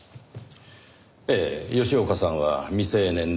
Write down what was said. ええ吉岡さんは未成年で初犯。